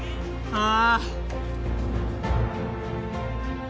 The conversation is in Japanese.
ああ